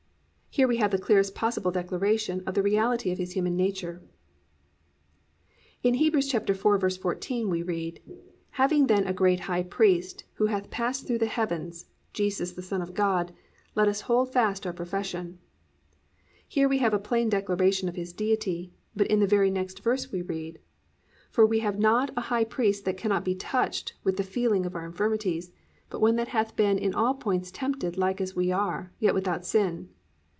"+ Here we have the clearest possible declaration of the reality of His human nature. In Heb. 4:14 we read, +"Having then a great high priest, who hath passed through the heavens, Jesus the Son of God, let us hold fast our profession."+ Here we have a plain declaration of His Deity; but in the very next verse, we read, +"For we have not an high priest that cannot be touched with the feeling of our infirmities; but one that hath been in all points tempted like as we are, yet without sin."